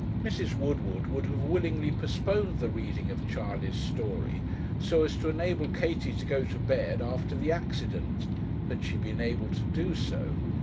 Mrs. Woodward would have willingly postponed the reading of Charley's story so as to enable Katie to go to bed after the accident, had she been able to do so.